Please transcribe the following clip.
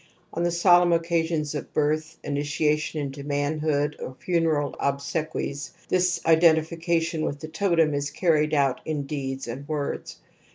On the solemn occa sions of birth, initiation into manhood or funeral obsequies this identification with the totem is carried out in deeds and words.